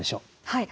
はい。